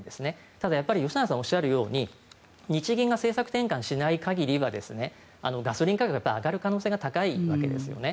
ただ吉永さんがおっしゃるように日銀が政策転換しない限りはガソリン価格が上がる可能性が高いわけですよね。